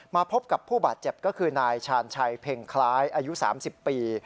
พบกับผู้บาดเจ็บก็คือนายชาญชัยเพ็งคล้ายอายุ๓๐ปี